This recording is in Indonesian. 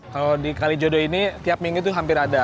kalau di kalijodo ini tiap minggu itu hampir ada